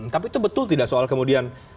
tapi itu betul tidak soal kemudian